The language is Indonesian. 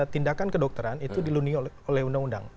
tindakan kedokteran itu diluni oleh undang undang